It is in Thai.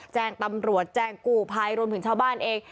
แจ้งตำรวจแจ้งกู้ภัยรวมถึงชาวบ้านเอง